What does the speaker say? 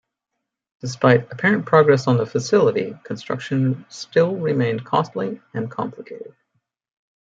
Despite apparent progress on the facility, construction still remained costly and complicated.